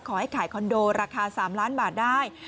ขายคอนโดราคา๓ล้านบาทได้